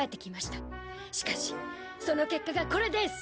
しかしその結果がこれデス！